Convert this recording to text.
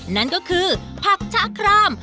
นั่นก็คือผักชะคราม